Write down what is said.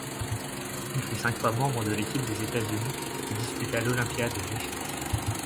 Il fut cinq fois membre de l'équipe des États-Unis qui disputa l'olympiade d'échecs.